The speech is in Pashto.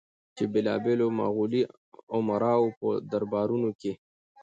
چې بېلابېلو مغولي امراوو په دربارونو کې